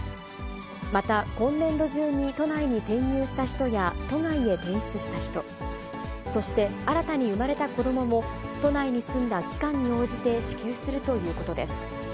また今年度中に都内に転入した人や、都外へ転出した人、そして新たに産まれた子どもも都内に住んだ期間に応じて支給するということです。